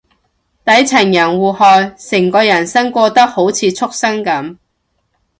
底層人互害，成個人生過得好似畜生噉